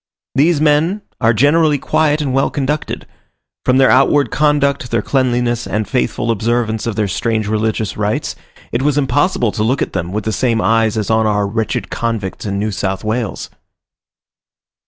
These men are generally quiet and well conducted; from their outward conduct, their cleanliness, and faithful observance of their strange religious rites, it was impossible to look at them with the same eyes as on our wretched convicts in New South Wales.